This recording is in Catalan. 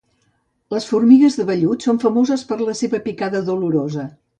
Les formigues de vellut són famoses per la seva picada dolorosa.